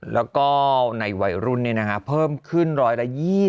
แล้วก็ในวัยรุ่นเพิ่มขึ้น๑๒๗ร้อยละ